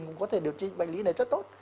cũng có thể điều trị bệnh lý này rất tốt